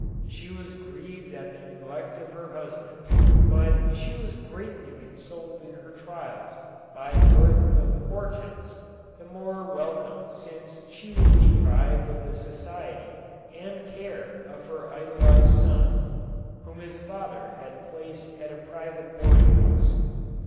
She was grieved at the neglect of her husband, but she was greatly con soled in her trials by the birth of Ilortense, the more welcome since she was deprived of the society and care of her idolized son, whom his father had placed at a private boarding house.